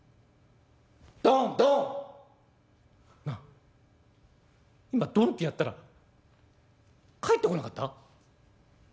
「なあ今ドンってやったら返ってこなかった？」。